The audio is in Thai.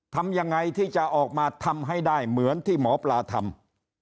ทำยังไงที่จะออกมาทำให้ได้เหมือนที่หมอปลาทำ